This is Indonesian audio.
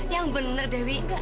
yang bener dewi